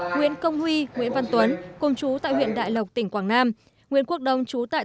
nguyễn công huy nguyễn văn tuấn cùng chú tại huyện đại lộc tỉnh quảng nam nguyễn quốc đông chú tại